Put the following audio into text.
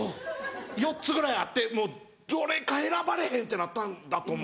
４つぐらいあってもうどれか選ばれへんってなったんだと思う。